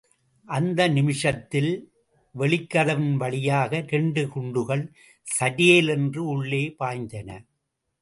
அந்த நிமிஷத்தில் வெளிக்கதவின் வழியாக இரண்டு குண்டுகள் சரேலென்று உள்ளே பாய்ந்தன.